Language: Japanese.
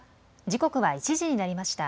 時刻は１時になりました。